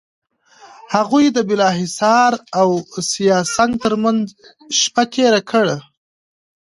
هغوی د بالاحصار او سیاه سنگ ترمنځ شپه تېره کړه.